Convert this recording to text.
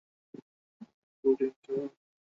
আমাদের টিমকে পুরো এলাকা কভার করতে হবে।